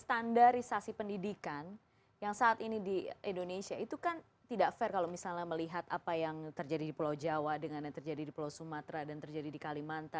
terima kasih pak menteri